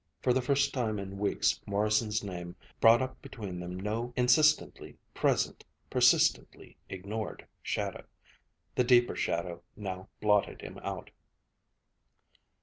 For the first time in weeks Morrison's name brought up between them no insistently present, persistently ignored shadow. The deeper shadow now blotted him out.